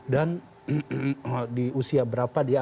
dan di usia berapa dia akan bekerja